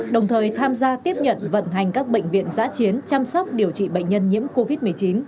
đồng thời tham gia tiếp nhận vận hành các bệnh viện giã chiến chăm sóc điều trị bệnh nhân nhiễm covid một mươi chín